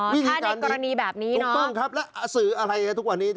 อ๋อถ้าในกรณีแบบนี้เนอะถูกต้องครับและสื่ออะไรทุกวันนี้